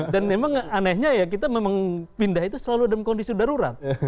dan memang anehnya ya kita memang pindah itu selalu dalam kondisi darurat